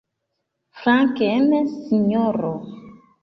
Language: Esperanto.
Flanken, sinjoro!